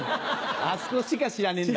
あすこしか知らねえんだ。